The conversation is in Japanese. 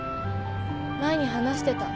前に話してた。